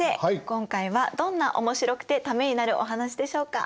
今回はどんなおもしろくてためになるお話でしょうか？